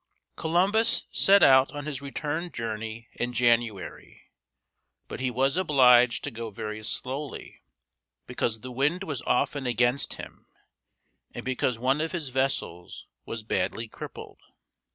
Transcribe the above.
Columbus set out on his return journey in January, but he was obliged to go very slowly, because the wind was often against him, and because one of his vessels was badly crippled.